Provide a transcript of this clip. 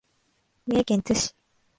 三重県津市